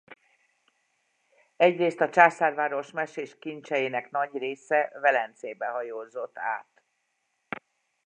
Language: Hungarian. Egyrészt a császárváros mesés kincseinek nagy része Velencébe hajózott át.